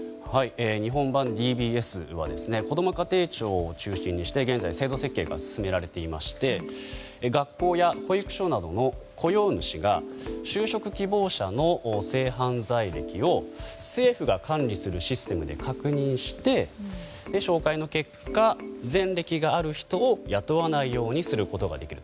日本版ＤＢＳはこども家庭庁を中心にして現在、制度設計が進められていまして学校や保育所などの雇用主が就職希望者の性犯罪歴を政府が管理するシステムで確認し照会の結果、前歴がある人を雇わないようにすることができる